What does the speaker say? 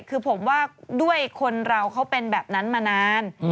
คือผมว่าด้วยคนเราเขาเป็นแบบนั้นมานาน